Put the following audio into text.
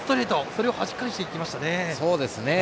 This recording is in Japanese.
それをはじき返していきましたね。